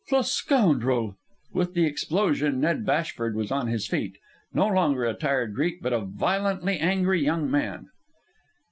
"The scoundrel!" With the explosion Ned Bashford was on his feet, no longer a tired Greek, but a violently angry young man.